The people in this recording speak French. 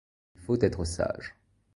Il faut être sage.